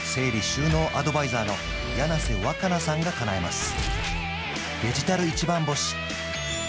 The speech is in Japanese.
収納アドバイザーの柳瀬わかなさんがかなえます